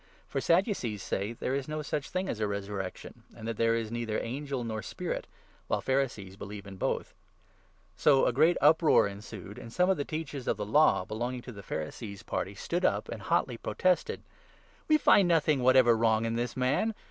(For Sadducees say there is no such 8 thing as a resurrection, and that there is neither angel nor spirit, while Pharisees believe in both.) So a great uproar 9 ensued, and some of the Teachers of the Law belonging to the Pharisees' party stood up and hotly protested :" We find nothing whatever wrong in this man.